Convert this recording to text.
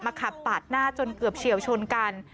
ขับปาดหน้าจนเกือบเฉียวชนกัน